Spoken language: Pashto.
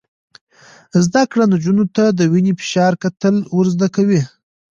زده کړه نجونو ته د وینې فشار کتل ور زده کوي.